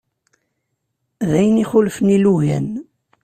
D ayen ixulfen ilugan.